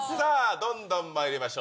どんどんまいりましょう。